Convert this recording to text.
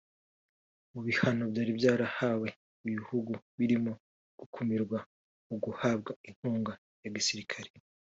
Mu bihano byari byarahawe ibi bihugu birimo gukumirwa mu guhabwa inkunga ya gisirikare